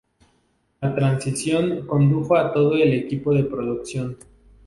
La transición condujo a todo el equipo de producción.